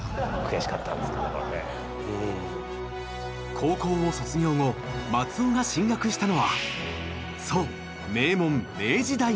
高校を卒業後松尾が進学したのはそう名門明治大学。